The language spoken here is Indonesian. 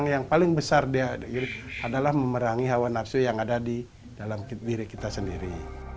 yang paling besar adalah memerangi hawa nafsu yang ada di dalam diri kita sendiri